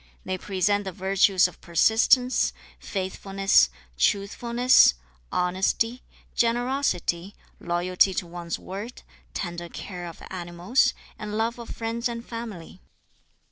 They present the virtues of persistence, faithfulness, truthfulness, honesty, generosity, loyalty to one's word, tender care of animals, and love of friends and family.